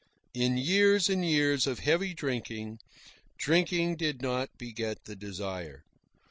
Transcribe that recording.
In years and years of heavy drinking, drinking did not beget the desire.